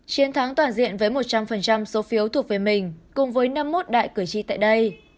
chiến thắng toàn diện với một trăm linh số phiếu thuộc về mình cùng với năm mươi một đại cử tri tại đây